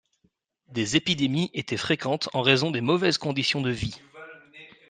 Des épidémies étaient fréquentes en raison des mauvaises conditions de vie.